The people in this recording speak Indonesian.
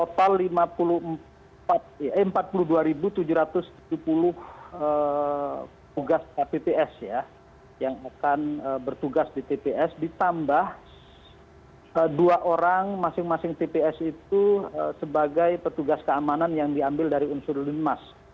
pertanyaan pertama ketika kita mengambil petugas dari pps ya yang akan bertugas di pps ditambah dua orang masing masing pps itu sebagai petugas keamanan yang diambil dari unsur limas